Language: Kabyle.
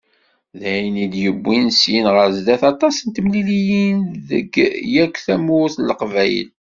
D ayen i d-yewwin syin ɣer sdat aṭas n temliliyin deg yakk tamurt n Leqbayel.